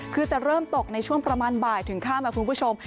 คือจะเริ่มตกในช่วงประมาณบ่ายถึงข้ามค่ะคุณผู้ชม